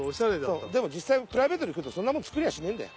でも実際プライベートで来るとんなもん作りゃあしねえんだよ。